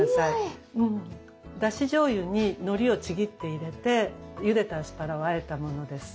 だしじょうゆにのりをちぎって入れてゆでたアスパラをあえたものです。